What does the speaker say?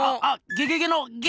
ゲゲゲのゲ！